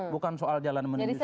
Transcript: bukan soal jalan menuju